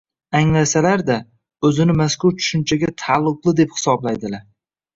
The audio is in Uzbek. anglasalar-da, o‘zini mazkur tushunchaga taalluqli deb hisoblaydilar.